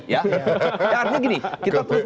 ya artinya gini kita terus